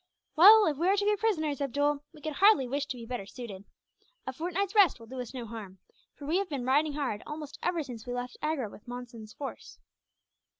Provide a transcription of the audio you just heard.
"Well, if we are to be prisoners, Abdool, we could hardly wish to be better suited. A fortnight's rest will do us no harm, for we have been riding hard almost ever since we left Agra with Monson's force."